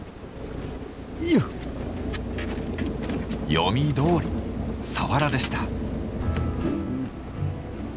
読みどおりサワラでした。